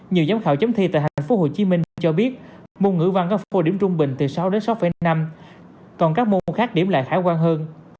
nhiều giám khảo chấm thi tại tp hcm cũng cho biết môn ngữ văn có phổ điểm trung bình từ sáu đến sáu năm còn các môn khác điểm lại khả quan hơn